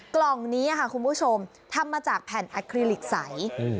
กล่องนี้ค่ะคุณผู้ชมทำมาจากแผ่นอัคคลิลิกใส